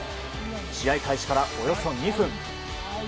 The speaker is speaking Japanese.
試合開始からおよそ２分。